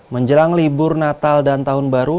menjelang libur natal dan tahun baru